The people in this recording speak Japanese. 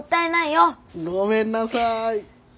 ごめんなさい。